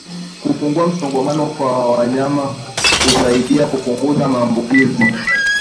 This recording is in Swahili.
Kupunguza msongamano kwa wanyama husaidia kupunguza maambukizi